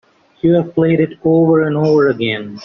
You've played it over and over again.